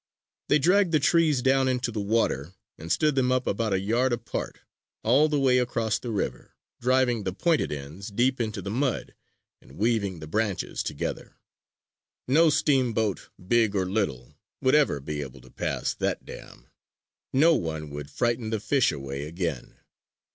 They dragged the trees down into the water and stood them up about a yard apart, all the way across the river, driving the pointed ends deep into the mud and weaving the branches together. No steamboat, big or little, would ever be able to pass that dam! No one would frighten the fish away again!